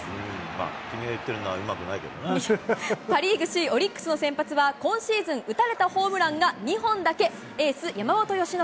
君が言ってるのはうまくないパ・リーグ首位、オリックスの先発は今シーズン打たれたホームランが２本だけ、エース、山本由伸。